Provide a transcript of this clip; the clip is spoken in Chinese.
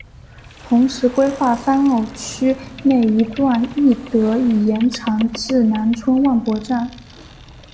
同时规划番禺区内一段亦得以延长至南村万博站。